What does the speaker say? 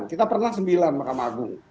kita pernah sembilan mahkamah agung